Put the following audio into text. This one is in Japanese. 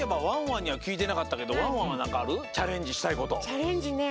チャレンジね